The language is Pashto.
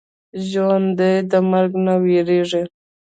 ژوندي د مرګ نه وېرېږي